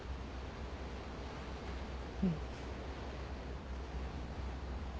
うん。